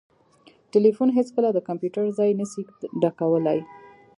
ټلیفون هیڅکله د کمپیوټر ځای نسي ډکولای